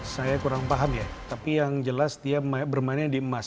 saya kurang paham ya tapi yang jelas dia bermainnya di emas